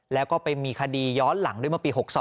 แล้วก็ไปมีคดีย้อนหลังด้วยเมื่อปี๖๒